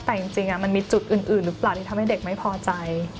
แต่จริงมันมีจุดอื่นหรือเปล่าที่ทำให้เด็กไม่พอใจ